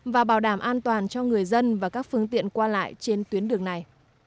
và bảo đảm an toàn cho người dân và các phương tiện qua lại trên tuyến đường này